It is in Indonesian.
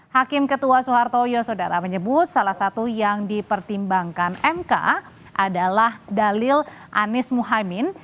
hakim ketua soeharto yosudara menyebut salah satu yang dipertimbangkan mk adalah dalil anies muhaymin